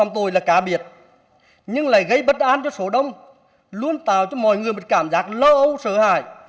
tội nghiêm trọng tạo cho mọi người một cảm giác lo âu sợ hại